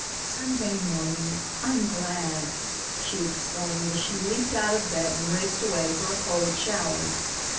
"Sunday morning. I'm glad!" she exclaimed as she leaped out of bed and raced away for a cold shower.